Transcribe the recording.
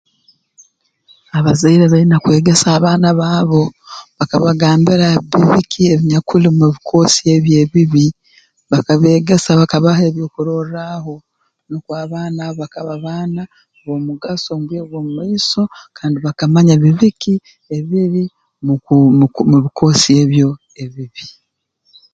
Abazaire baine kwegesa abaana baabo bakabagambira bibi ki ebinyakuli mu bikoosi ebi ebibi bakabeegesa bakabaha ebyokurorraaho nukwo abaana abo bakaba baana b'omugaso mu bwire bw'omu maiso kandi bakamanya bibi ki ebiri mu ku mu bikoosi ebyo ebibi